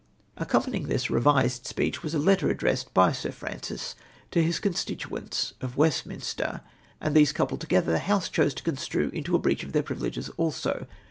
Accompanying this revised speech was a letter ad dressed by Sir Francis to his constituents of West minster ; and these coupled together the House chose to construe into a breach of theu privileges also.